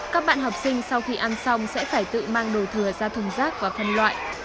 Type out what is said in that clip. các bạn học sinh sau khi ăn xong sẽ phải tự mang đồ thừa ra thùng rác và phân loại